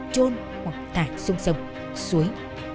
trôn hoặc tải xuống sông suối